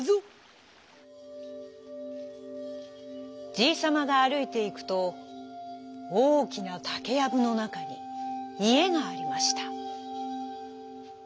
じいさまがあるいていくとおおきなたけやぶのなかにいえがありました。